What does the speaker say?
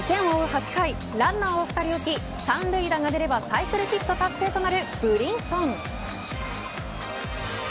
８回ランナーを２人置き三塁打が出ればサイクルヒット達成となるブリンソン。